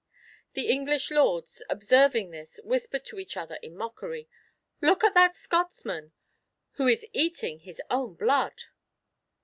The English lords, observing this whispered to each other in mockery, "Look at that Scotsman, who is eating his own blood!"